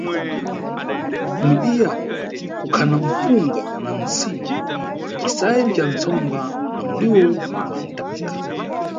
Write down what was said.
Kumidiya kukhana mpunga na ntsima na cisayi ca ntsomba na muliwo wa ntanga.